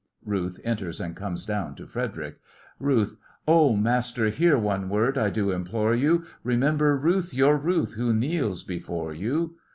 (RUTH enters and comes down to FREDERIC) RUTH: Oh, master, hear one word, I do implore you! Remember Ruth, your Ruth, who kneels before you!